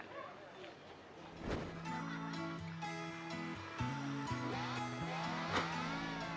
terdapat banyak kuliner yang dijajakkan